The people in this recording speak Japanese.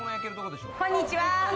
こんにちは。